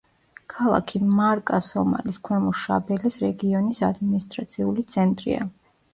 ქალაქი მარკა სომალის ქვემო შაბელეს რეგიონის ადმინისტრაციული ცენტრია.